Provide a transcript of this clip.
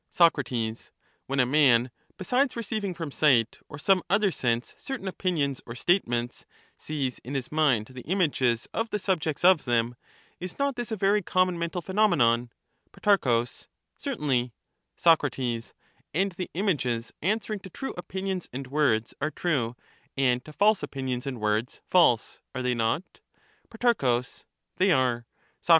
Soc, When a man, besides receiving from sight or some other sense certain opinions or statements, sees in his mind the images of the subjects of them; — is not this a very common mental phenomenon ? Pro, Certainly. Soc, And the images answering to true opinions and words are true, and to false opinions and words false ; are they not ? Pro, They are. Soc, If we are right so far, there arises a further question.